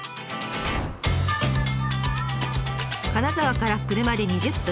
金沢から車で２０分。